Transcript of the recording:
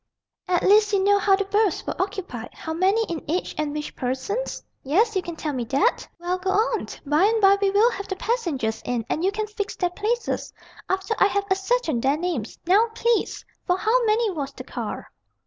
"At least you know how the berths were occupied, how many in each, and which persons? Yes? You can tell me that? Well, go on. By and by we will have the passengers in, and you can fix their places, after I have ascertained their names. Now, please! For how many was the car?"